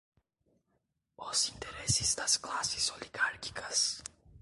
Os interesses das classes oligárquicas